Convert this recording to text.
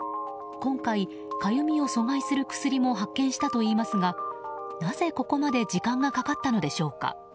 今回、かゆみを阻害する薬も発見したといいますがなぜ、ここまで時間がかかったのでしょうか。